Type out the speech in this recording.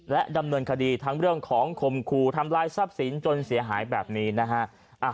ดำเนินคดีทั้งเรื่องของคมคู่ทำลายทรัพย์สินจนเสียหายแบบนี้นะฮะ